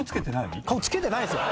つけてないですよ！